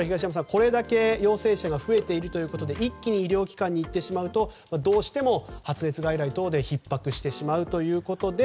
これだけ陽性者が増えているということで一気に医療機関に行ってしまうとどうしても発熱外来等でひっ迫してしまうということで。